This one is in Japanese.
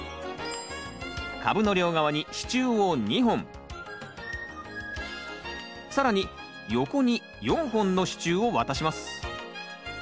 株の両側に支柱を２本更に横に４本の支柱をわたします。